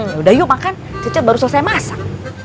yaudah yuk makan cet cet baru selesai masak